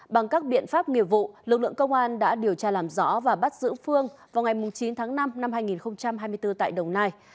bằng các biện pháp nghiệp vụ lực lượng công an đã điều tra làm rõ và bắt giữ phương vào ngày chín tháng năm năm hai nghìn hai mươi bốn tại đồng nai